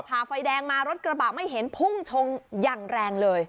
ผ่าไฟแดงมารถกระบะไม่เห็นพุ่งชนอย่างแรงเลย